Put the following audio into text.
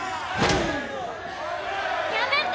やめて！